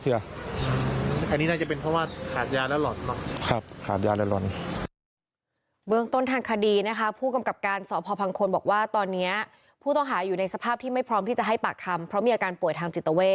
แต่ว่าที่ผ่านมาก็คือไม่มีปัญหาไม่มีตีกันไม่มีอะไร